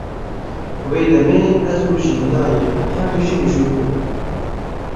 Wê demê ez û Jîndayê em her du ji mijûl bûn.